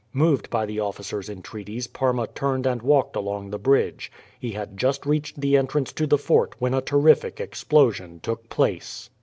Moved by the officer's entreaties Parma turned and walked along the bridge. He had just reached the entrance to the fort when a terrific explosion took place.